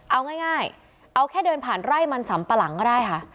เอาง่ายเอาแค่เดินผ่านไร่มันสำปะหลังก็ได้ค่ะ